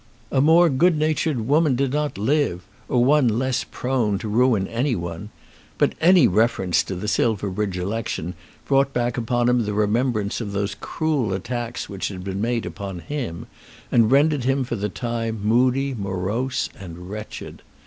A more good natured woman did not live; or one less prone to ruin any one. But any reference to the Silverbridge election brought back upon him the remembrance of the cruel attacks which had been made upon him, and rendered him for the time moody, morose, and wretched.